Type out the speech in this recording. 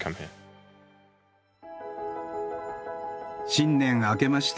新年明けまして。